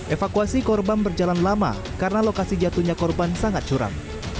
evakuasi korban berjalan lama karena lokasi jatuhnya korban sangat curam